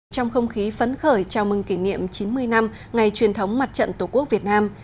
trong không khí phấn khởi chào mừng kỷ niệm chín mươi năm ngày truyền thống mặt trận tổ quốc việt nam